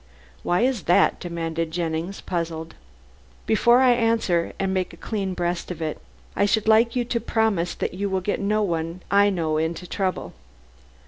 "Why is that?" demanded Jennings, puzzled. "Before I answer and make a clean breast of it, I should like you to promise that you will get no one I know into trouble."